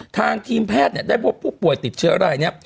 ทางทีมแพทย์เนี่ยได้พวกผู้ป่วยติดเชื้ออะไรเนี่ย